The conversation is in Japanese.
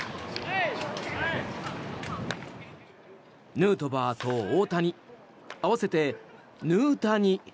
ヌートバーと大谷合わせて、ヌータニ。